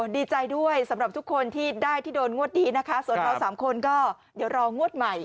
ดีใจด้วยสำหรับทุกคนที่ได้ที่โดนงวดนี้นะคะส่วนเราสามคนก็เดี๋ยวรองวดใหม่